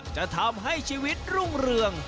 จะทำให้ชีวิตรุ่งเรือง